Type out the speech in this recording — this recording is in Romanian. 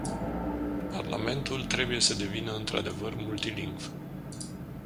Parlamentul trebuie să devină într-adevăr multilingv.